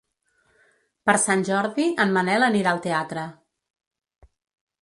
Per Sant Jordi en Manel anirà al teatre.